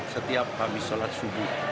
setiap habis sholat subuh